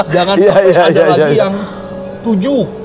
jangan sampai ada lagi yang tujuh